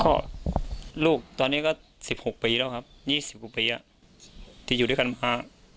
ก็ลูกตอนนี้ก็๑๖ปีแล้วครับ๒๐กว่าปีอ่ะที่อยู่ด้วยกันมา